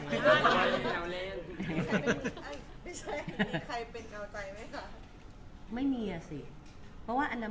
ไม่ใช่มีใครเป็นเข้าใจไหมค่ะ